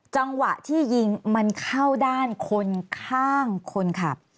จังหวะที่ยิงมันเข้าด้านคนข้างคนขับ